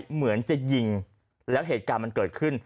เหมือนจะยิงแล้วเหตุการณ์มันเกิดขึ้น